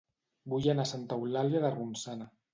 Vull anar a Santa Eulàlia de Ronçana